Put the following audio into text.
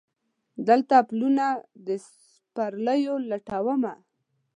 دلته پلونه د سپرلیو لټومه